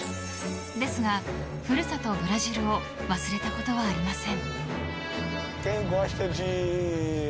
ですが古里・ブラジルを忘れたことはありません。